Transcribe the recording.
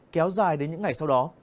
kéo dài đến những ngày sau đó